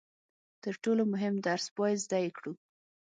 تر ټولو مهم درس باید زده یې کړو.